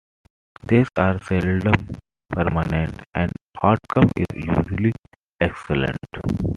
These are seldom permanent, and outcome is usually excellent.